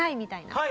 はい！